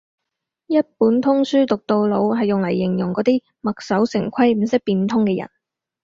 一本通書讀到老係用嚟形容嗰啲墨守成規唔識變通嘅人